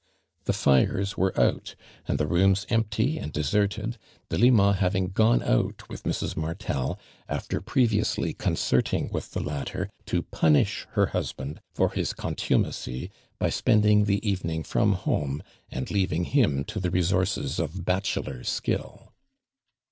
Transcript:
The Hi es were out and the rooms empty and deserted, iJelima having gone out witli Mrs. Martel after previously concerting with the latter to pimisli her husband for his contumacy by spending the evening from home and leaving hiui to the resources of bachelor sjcill.